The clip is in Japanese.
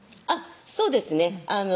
そうですね